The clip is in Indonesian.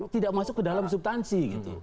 tidak masuk ke dalam substansi